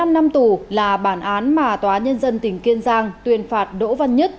một mươi năm năm tù là bản án mà tòa nhân dân tỉnh kiên giang tuyên phạt đỗ văn nhất